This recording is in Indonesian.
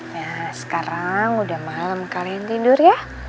nah sekarang udah malam kalian tidur ya